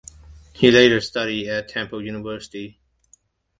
He later studied at Temple University.